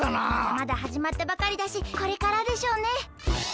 まだはじまったばかりだしこれからでしょうね。